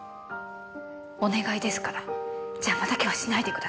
お願いですから邪魔だけはしないでください。